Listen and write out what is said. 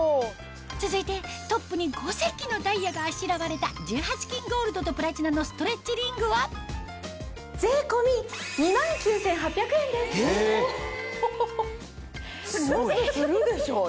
続いてトップに５石のダイヤがあしらわれた１８Ｋゴールドとプラチナのストレッチリングはもっとするでしょうよ。